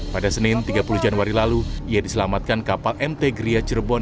pada senin tiga puluh januari lalu ia diselamatkan kapal mt gria cirebon